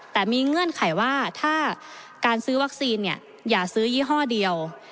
แต่มีเงื่อนไขว่าถ้าการซื้อวัคซีนเนี่ยอย่าซื้อยี่ห้อเดียว